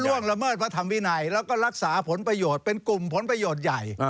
ละเมิดพระธรรมวินัยแล้วก็รักษาผลประโยชน์เป็นกลุ่มผลประโยชน์ใหญ่